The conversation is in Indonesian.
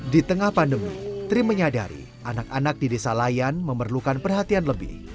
di tengah pandemi tri menyadari anak anak di desa layan memerlukan perhatian lebih